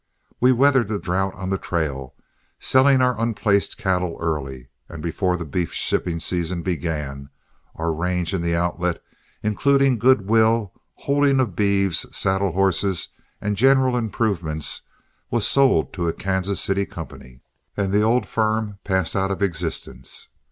We weathered the drouth on the trail, selling our unplaced cattle early, and before the beef shipping season began, our range in the Outlet, including good will, holding of beeves, saddle horses, and general improvements, was sold to a Kansas City company, and the old firm passed out of existence.